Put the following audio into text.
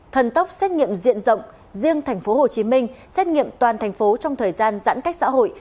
thần tốc xét nghiệm diện rộng riêng tp hcm xét nghiệm toàn thành phố trong thời gian giãn cách xã hội